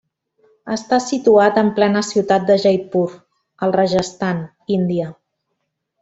Està situat en plena ciutat de Jaipur, al Rajasthan, Índia.